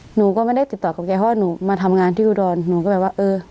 หนูก็ไม่ได้ติดต่อกับแกเพราะว่าหนูมาทำงานที่อุดรหนูก็แบบว่าเออ